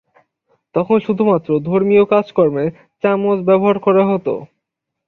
তখন শুধুমাত্র ধর্মীয় কাজকর্মে চামচ ব্যবহার করা হতো।